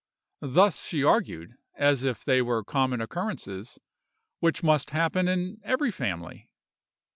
Thus she argued, as if they were common occurrences, which must happen in every family!